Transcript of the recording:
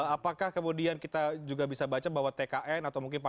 apakah kemudian kita juga bisa baca bahwa apakah kita bisa mengambil kekuatan yang lebih besar